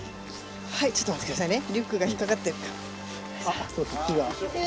はいちょっと待って下さいね。